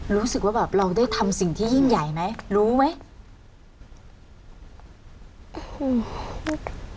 รู้สึกว่าแบบเราได้ทำสิ่งที่ยิ่งใหญ่ไหมรู้ไหม